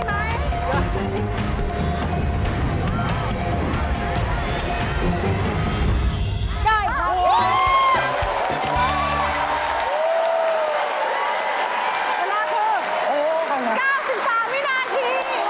เวลาคือ๙๓วินาที